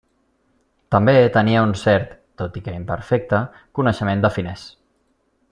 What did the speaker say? També tenia un cert, tot i que imperfecte, coneixement de finès.